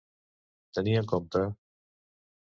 Tenir en compte.